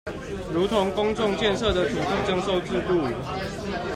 如同公眾建設的土地徵收制度